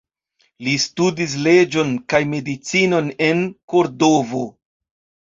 Li studis leĝon kaj medicinon en Kordovo.